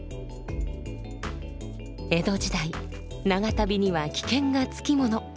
江戸時代長旅には危険が付き物。